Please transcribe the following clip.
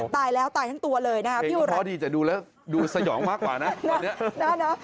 ตายแล้วตายทั้งตัวเลยนะครับพี่อุไรขอดีจะดูแล้วดูสยองมากกว่านะ